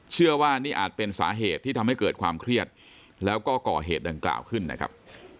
เชื่อว่านี่อาจเป็นสาเหตุที่ทำให้เกิดความเครียดแล้วก็ก่อเหตุดังกล่าวขึ้นนะครับ